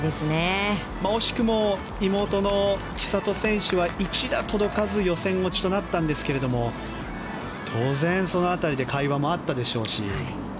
惜しくも妹の千怜選手は１打届かず予選落ちとなったんですけども当然、その辺りで会話もあったでしょうし。